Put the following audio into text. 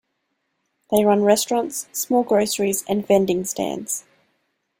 They run restaurants, small groceries and vending stands.